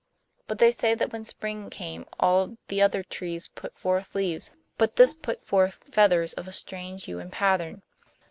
But they say that when spring came all the other trees put forth leaves, but this put forth feathers of a strange hue and pattern.